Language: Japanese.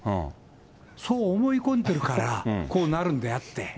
そう思い込んでるからこうなるんであって。